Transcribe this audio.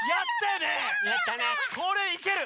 これいける！